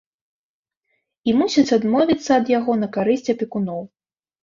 І мусяць адмовіцца ад яго на карысць апекуноў.